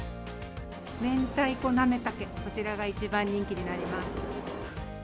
明太子なめたけ、こちらが一番人気になります。